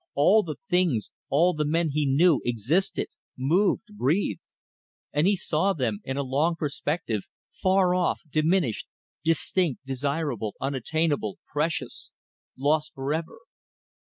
All the things, all the men he knew, existed, moved, breathed; and he saw them in a long perspective, far off, diminished, distinct, desirable, unattainable, precious ... lost for ever.